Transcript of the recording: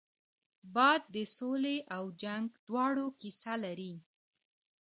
باد د سولې او جنګ دواړو کیسه لري